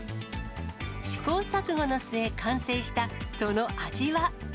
試行錯誤の末、完成したその味は。